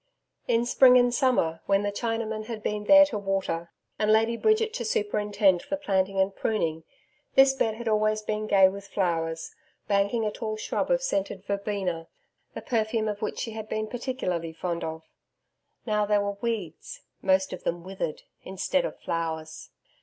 In spring and summer, when the Chinamen had been there to water and Lady Bridget to superintend the planting and pruning, this bed had always been gay with flowers, banking a tall shrub of scented verbena the perfume of which she had been particularly fond of. Now there were weeds most of them withered instead of flowers.